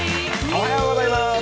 おはようございます。